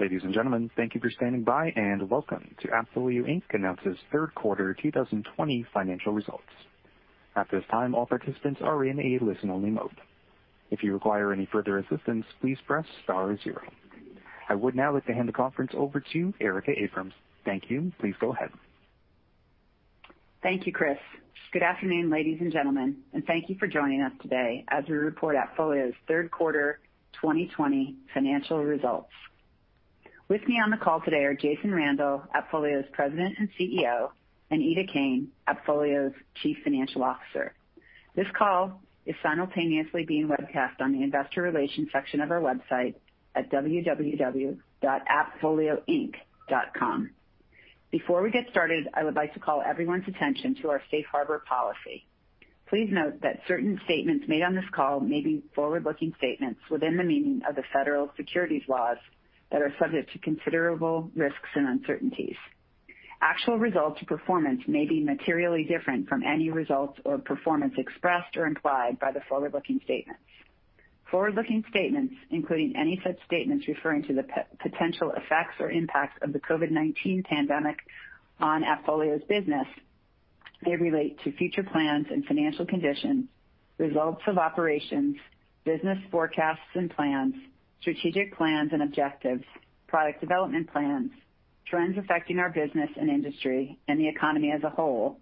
Ladies and gentlemen, thank you for standing by and welcome to AppFolio announces third quarter 2020 financial results. At this time, all participants are in a listen-only mode. If you require any further assistance, please press star zero. I would now like to hand the conference over to Erica Abrams. Thank you, please go ahead. Thank you, Chris. Good afternoon, ladies and gentlemen, and thank you for joining us today as we report AppFolio's third quarter 2020 financial results. With me on the call today are Jason Randall, AppFolio's President and CEO, and Ida Kane, AppFolio's Chief Financial Officer. This call is simultaneously being webcast on the investor relations section of our website at www.appfolioinc.com. Before we get started, I would like to call everyone's attention to our safe harbor policy. Please note that certain statements made on this call may be forward-looking statements within the meaning of the federal securities laws that are subject to considerable risks and uncertainties. Actual results or performance may be materially different from any results or performance expressed or implied by the forward-looking statements. Forward-looking statements, including any such statements referring to the potential effects or impacts of the COVID-19 pandemic on AppFolio's business, may relate to future plans and financial conditions, results of operations, business forecasts and plans, strategic plans and objectives, product development plans, trends affecting our business and industry and the economy as a whole,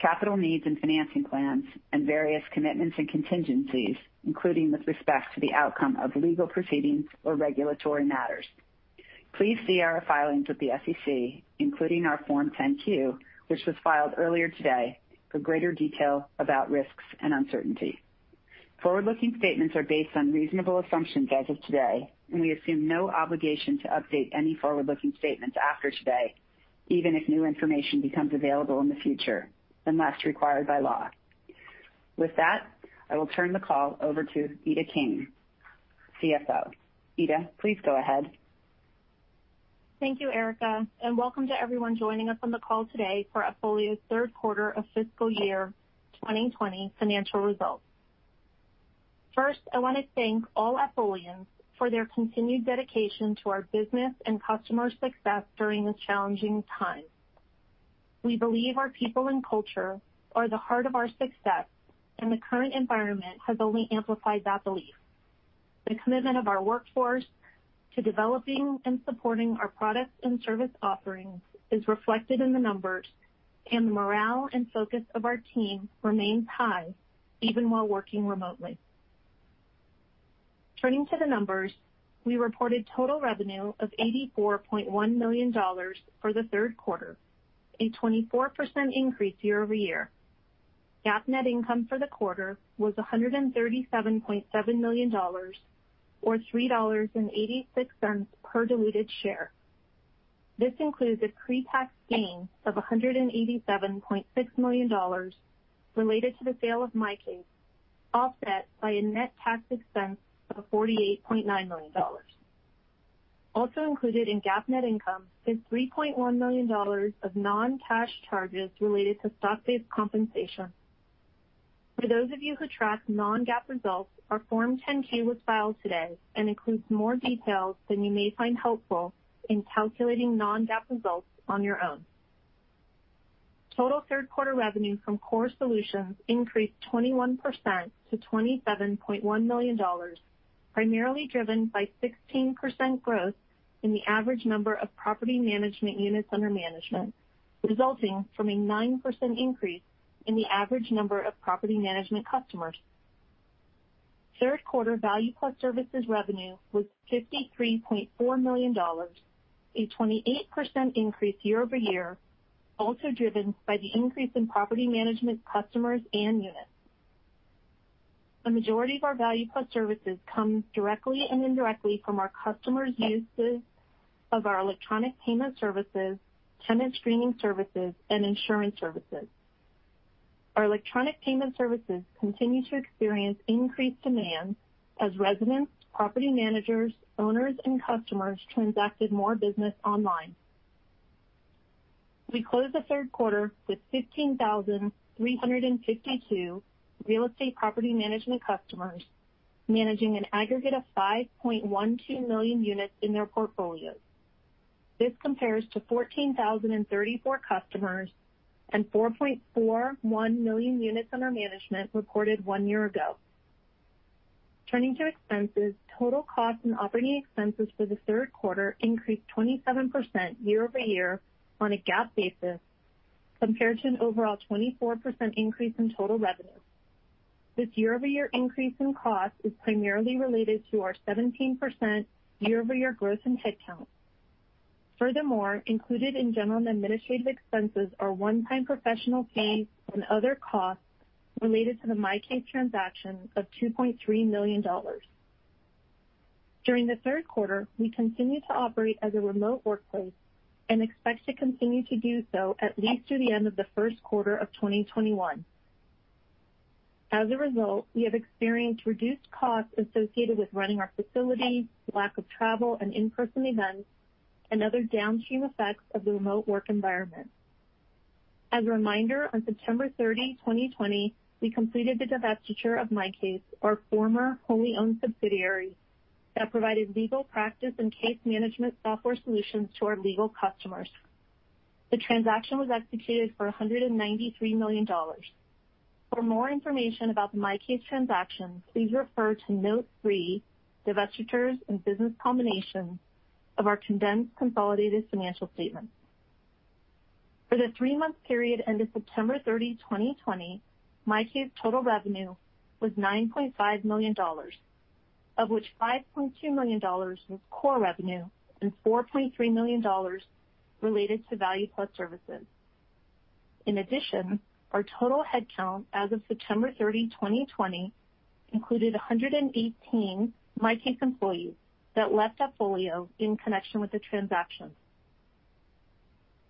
capital needs and financing plans, and various commitments and contingencies, including with respect to the outcome of legal proceedings or regulatory matters. Please see our filings with the SEC, including our Form 10-Q, which was filed earlier today, for greater detail about risks and uncertainty. Forward-looking statements are based on reasonable assumptions as of today, and we assume no obligation to update any forward-looking statements after today, even if new information becomes available in the future unless required by law. With that, I will turn the call over to Ida Kane, CFO. Ida, please go ahead. Thank you, Erica, and welcome to everyone joining us on the call today for AppFolio's third quarter of fiscal year 2020 financial results. First, I want to thank all AppFolians for their continued dedication to our business and customer success during this challenging time. We believe our people and culture are the heart of our success, and the current environment has only amplified that belief. The commitment of our workforce to developing and supporting our products and service offerings is reflected in the numbers, and the morale and focus of our team remains high even while working remotely. Turning to the numbers, we reported total revenue of $84.1 million for the third quarter, a 24% increase year over year. GAAP net income for the quarter was $137.7 million, or $3.86 per diluted share. This includes a pre-tax gain of $187.6 million related to the sale of MyCase, offset by a net tax expense of $48.9 million. Also included in GAAP net income is $3.1 million of non-cash charges related to stock-based compensation. For those of you who track non-GAAP results, our Form 10-Q was filed today and includes more details that you may find helpful in calculating non-GAAP results on your own. Total third quarter revenue from Core Solutions increased 21% to $27.1 million, primarily driven by 16% growth in the average number of property management units under management, resulting from a 9% increase in the average number of property management customers. Third quarter Value-Added Services revenue was $53.4 million, a 28% increase year over year, also driven by the increase in property management customers and units. The majority of our Value Plus services come directly and indirectly from our customers' uses of our electronic payment services, tenant screening services, and insurance services. Our electronic payment services continue to experience increased demand as residents, property managers, owners, and customers transacted more business online. We closed the third quarter with 15,352 real estate property management customers managing an aggregate of 5.12 million units in their portfolios. This compares to 14,034 customers and 4.41 million units under management reported one year ago. Turning to expenses, total costs and operating expenses for the third quarter increased 27% year over year on a GAAP basis compared to an overall 24% increase in total revenue. This year-over-year increase in costs is primarily related to our 17% year-over-year growth in headcount. Furthermore, included in general and administrative expenses are one-time professional fees and other costs related to the MyCase transaction of $2.3 million. During the third quarter, we continued to operate as a remote workplace and expect to continue to do so at least through the end of the first quarter of 2021. As a result, we have experienced reduced costs associated with running our facility, lack of travel and in-person events, and other downstream effects of the remote work environment. As a reminder, on September 30, 2020, we completed the divestiture of MyCase, our former wholly owned subsidiary that provided legal practice and case management software solutions to our legal customers. The transaction was executed for $193 million. For more information about the MyCase transaction, please refer to Note 3, Divestitures and Business Combination of our condensed consolidated financial statements. For the three-month period ended September 30, 2020, MyCase's total revenue was $9.5 million, of which $5.2 million was core revenue and $4.3 million related to value plus services. In addition, our total headcount as of September 30, 2020, included 118 MyCase employees that left AppFolio in connection with the transaction.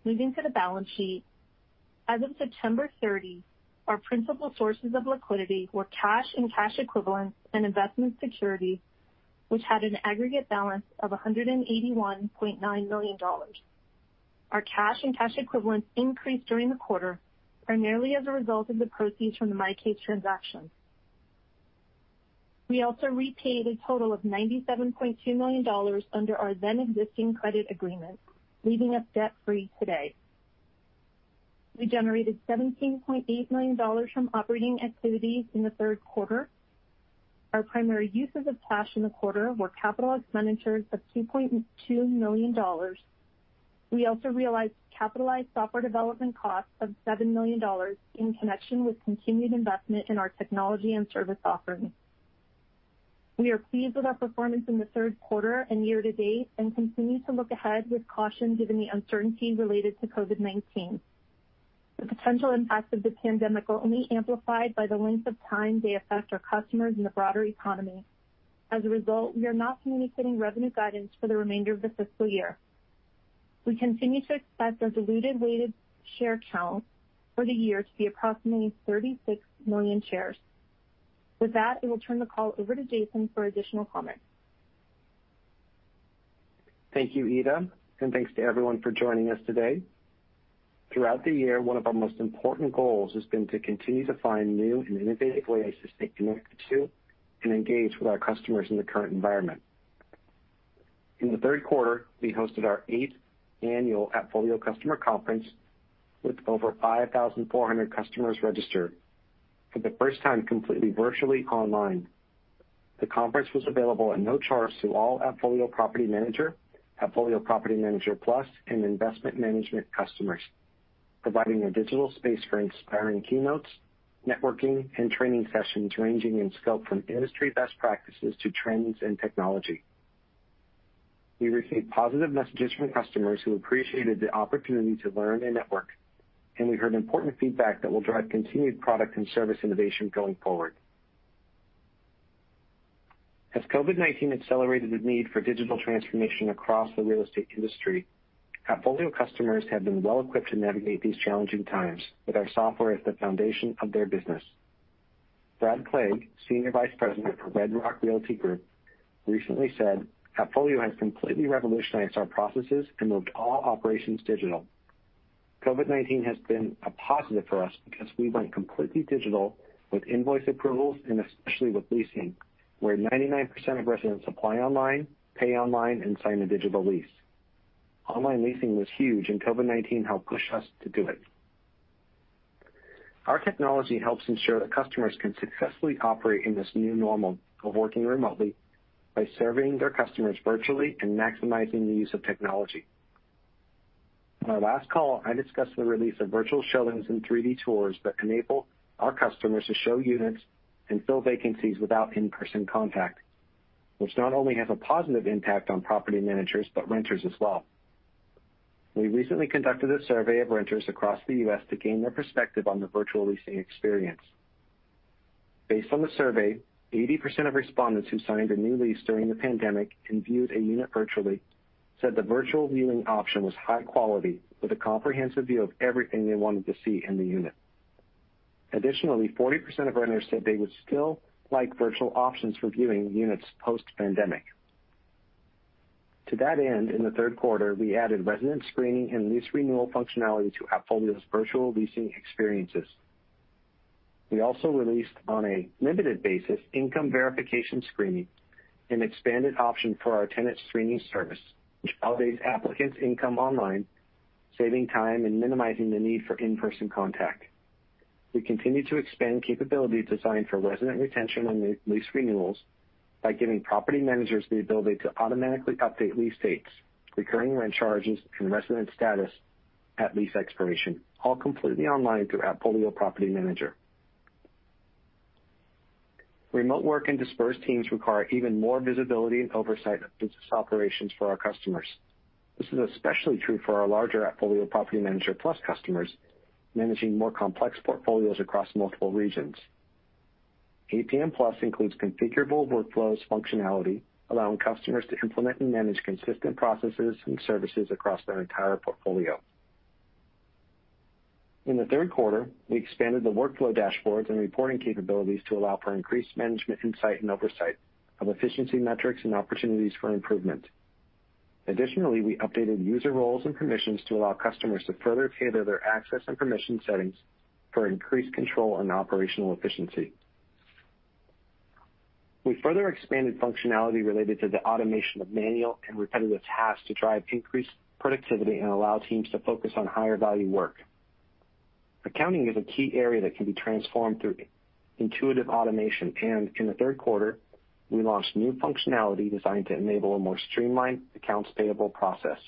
Moving to the balance sheet, as of September 30, our principal sources of liquidity were cash and cash equivalents and investment securities, which had an aggregate balance of $181.9 million. Our cash and cash equivalents increased during the quarter, primarily as a result of the proceeds from the MyCase transaction. We also repaid a total of $97.2 million under our then-existing credit agreement, leaving us debt-free today. We generated $17.8 million from operating activities in the third quarter. Our primary uses of cash in the quarter were capital expenditures of $2.2 million. We also realized capitalized software development costs of $7 million in connection with continued investment in our technology and service offerings. We are pleased with our performance in the third quarter and year to date and continue to look ahead with caution given the uncertainty related to COVID-19. The potential impacts of the pandemic are only amplified by the length of time they affect our customers and the broader economy. As a result, we are not communicating revenue guidance for the remainder of the fiscal year. We continue to expect our diluted weighted share count for the year to be approximately 36 million shares. With that, I will turn the call over to Jason for additional comments. Thank you, Ida, and thanks to everyone for joining us today. Throughout the year, one of our most important goals has been to continue to find new and innovative ways to stay connected to and engage with our customers in the current environment. In the third quarter, we hosted our eighth annual AppFolio Customer Conference with over 5,400 customers registered. For the first time, completely virtually online, the conference was available at no charge to all AppFolio Property Manager, AppFolio Property Manager Plus, and investment management customers, providing a digital space for inspiring keynotes, networking, and training sessions ranging in scope from industry best practices to trends in technology. We received positive messages from customers who appreciated the opportunity to learn and network, and we heard important feedback that will drive continued product and service innovation going forward. As COVID-19 accelerated the need for digital transformation across the real estate industry, AppFolio customers have been well-equipped to navigate these challenging times with our software as the foundation of their business. Brad Klage, Senior Vice President for Red Rock Realty Group, recently said, "AppFolio has completely revolutionized our processes and moved all operations digital. COVID-19 has been a positive for us because we went completely digital with invoice approvals and especially with leasing, where 99% of residents apply online, pay online, and sign a digital lease. Online leasing was huge, and COVID-19 helped push us to do it." Our technology helps ensure that customers can successfully operate in this new normal of working remotely by serving their customers virtually and maximizing the use of technology. On our last call, I discussed the release of virtual showings and 3D tours that enable our customers to show units and fill vacancies without in-person contact, which not only has a positive impact on property managers but renters as well. We recently conducted a survey of renters across the U.S. to gain their perspective on the virtual leasing experience. Based on the survey, 80% of respondents who signed a new lease during the pandemic and viewed a unit virtually said the virtual viewing option was high quality with a comprehensive view of everything they wanted to see in the unit. Additionally, 40% of renters said they would still like virtual options for viewing units post-pandemic. To that end, in the third quarter, we added resident screening and lease renewal functionality to AppFolio's virtual leasing experiences. We also released, on a limited basis, Income Verification Screening and expanded option for our Tenant Screening Service, which elevates applicants' income online, saving time and minimizing the need for in-person contact. We continue to expand capabilities designed for resident retention and lease renewals by giving property managers the ability to automatically update lease dates, recurring rent charges, and resident status at lease expiration, all completely online through AppFolio Property Manager. Remote work and dispersed teams require even more visibility and oversight of business operations for our customers. This is especially true for our larger AppFolio Property Manager Plus customers managing more complex portfolios across multiple regions. APM Plus includes configurable workflows functionality, allowing customers to implement and manage consistent processes and services across their entire portfolio. In the third quarter, we expanded the workflow dashboards and reporting capabilities to allow for increased management insight and oversight of efficiency metrics and opportunities for improvement. Additionally, we updated user roles and permissions to allow customers to further tailor their access and permission settings for increased control and operational efficiency. We further expanded functionality related to the automation of manual and repetitive tasks to drive increased productivity and allow teams to focus on higher value work. Accounting is a key area that can be transformed through intuitive automation, and in the third quarter, we launched new functionality designed to enable a more streamlined accounts payable process.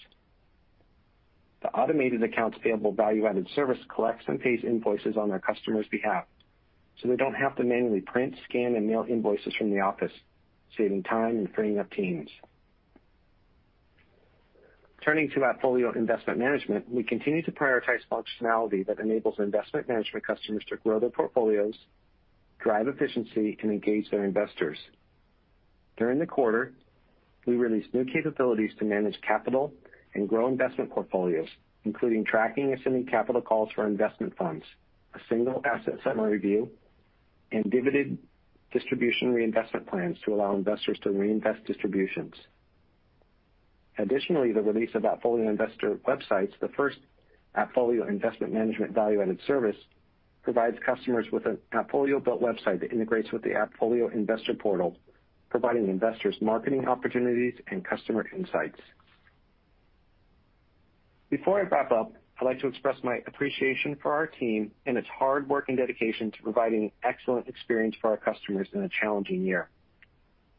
The Automated Accounts Payable value-added service collects and pays invoices on our customers' behalf, so they do not have to manually print, scan, and mail invoices from the office, saving time and freeing up teams. Turning to AppFolio Investment Management, we continue to prioritize functionality that enables investment management customers to grow their portfolios, drive efficiency, and engage their investors. During the quarter, we released new capabilities to manage capital and grow investment portfolios, including tracking and sending capital calls for investment funds, a single asset summary view, and dividend distribution reinvestment plans to allow investors to reinvest distributions. Additionally, the release of AppFolio Investor Websites, the first AppFolio Investment Management value-added service, provides customers with an AppFolio-built website that integrates with the AppFolio Investor Portal, providing investors marketing opportunities and customer insights. Before I wrap up, I'd like to express my appreciation for our team and its hard work and dedication to providing an excellent experience for our customers in a challenging year.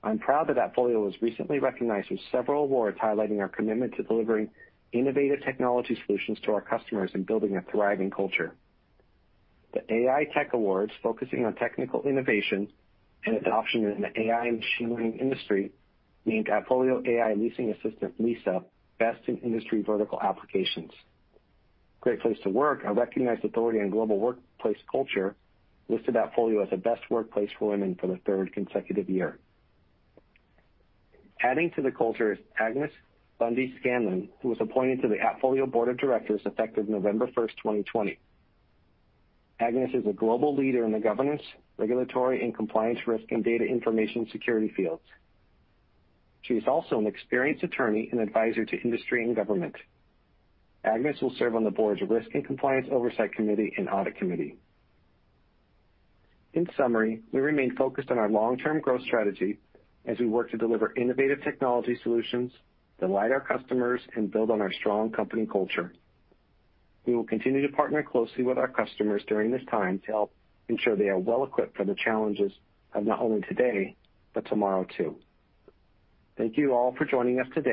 I'm proud that AppFolio was recently recognized with several awards highlighting our commitment to delivering innovative technology solutions to our customers and building a thriving culture. The AI Tech Awards, focusing on technical innovation and adoption in the AI and machine learning industry, named AppFolio AI Leasing Assistant Lisa Best in Industry Vertical Applications. Great Place to Work, a recognized authority in global workplace culture, listed AppFolio as a Best Workplace for Women for the third consecutive year. Adding to the culture is Agnes Bundy Scanlan, who was appointed to the AppFolio Board of Directors effective November 1, 2020. Agnes is a global leader in the governance, regulatory, and compliance risk and data information security fields. She is also an experienced attorney and advisor to industry and government. Agnes will serve on the Board's Risk and Compliance Oversight Committee and Audit Committee. In summary, we remain focused on our long-term growth strategy as we work to deliver innovative technology solutions that align our customers and build on our strong company culture. We will continue to partner closely with our customers during this time to help ensure they are well-equipped for the challenges of not only today but tomorrow too. Thank you all for joining us today.